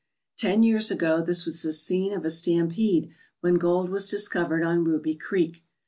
Ten years ago this was the scene of a stampede when gold was discovered on Ruby Creek.